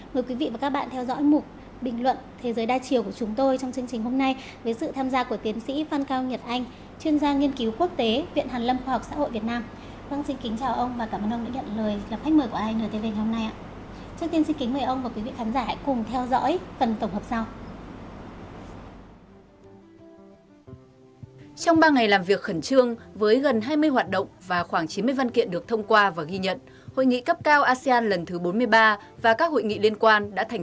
mời quý vị và các bạn theo dõi một bình luận thế giới đa chiều của chúng tôi trong chương trình hôm nay với sự tham gia của tiến sĩ phan cao nhật anh